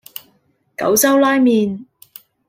九州拉麵